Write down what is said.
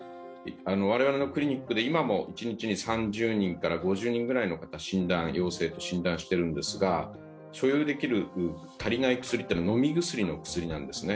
我々のクリニックで今も一日に３０人から５０人くらいの方、陽性と診断してるんですが所有できる足りない薬というのは飲み薬なんですね。